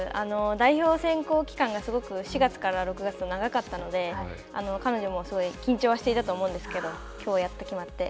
代表選考期間が４月から６月と長かったので、彼女もすごい緊張はしていたと思うんですけれども、きょう、やっと決まって。